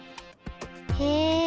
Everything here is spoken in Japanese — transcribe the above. へえ！